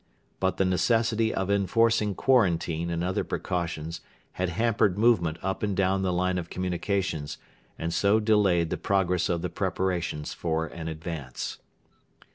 But the necessity of enforcing quarantine and other precautions had hampered movement up and down the line of communications, and so delayed the progress of the preparations for an advance.